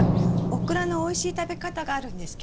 オクラのおいしい食べ方があるんですけど。